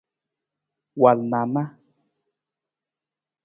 Wal na a na.